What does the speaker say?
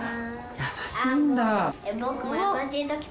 優しいんだ。